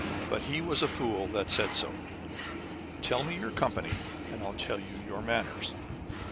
But he was a fool that said so. Tell me your company, and Til tell you your manners.